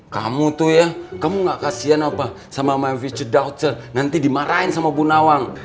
kamu tuh ya kamu gak kasian apa sama my victor nanti dimarahin sama bu nawang